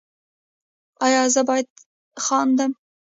ایا زه باید خندم؟